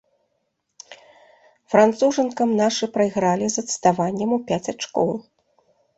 Францужанкам нашы прайгралі з адставаннем у пяць ачкоў.